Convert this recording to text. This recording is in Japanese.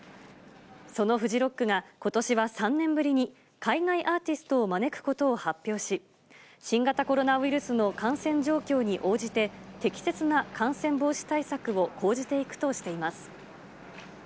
そのフジロックが、ことしは３年ぶりに海外アーティストを招くことを発表し、新型コロナウイルスの感染状況に応じて、適切な感染防止対策を講じていくとしています。